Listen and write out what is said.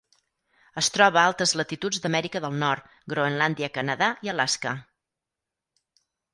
Es troba a altes latituds d'Amèrica del Nord Groenlàndia, Canadà, i Alaska.